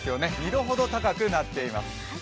２度ほど高くなっています。